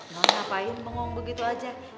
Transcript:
nol ngapain mengonggu gitu aja